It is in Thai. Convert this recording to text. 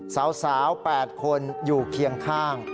สาว๘คนอยู่เคียงข้าง